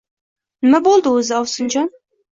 Nima bo‘ldi o‘zi, ovsinjon?